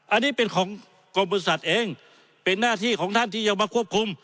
อันนี้เป็นของกรมบริษัทเองเป็นหน้าที่ของท่านที่จะมาควบคุม